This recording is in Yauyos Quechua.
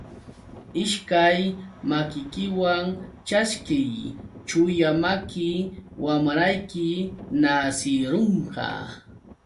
Ishkay makikiwan ćhaskiy, chulla maki wamrayki nasirunqa.